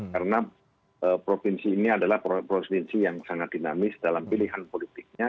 karena provinsi ini adalah provinsi yang sangat dinamis dalam pilihan politiknya